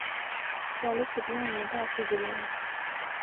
سیالے چھٹیاں ہویاں تے اس وی جلنے آں